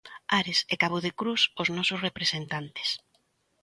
Ares e Cabo de Cruz, os nosos representantes.